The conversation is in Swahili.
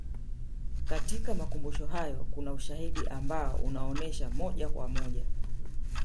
katika makumbusho hayo kuna ushahidi ambao unaonesha moja kwa moja